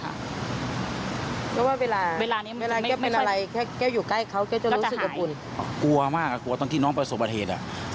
กลัวมากตอนที่น้องประสบเผต